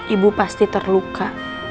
ibu pasti terluka